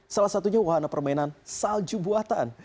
salah satunya wahana permainan salju buatan